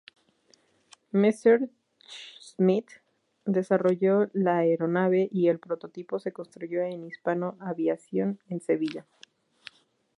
Messerschmitt" desarrolló la aeronave, y el prototipo se construyó en Hispano Aviación, en Sevilla.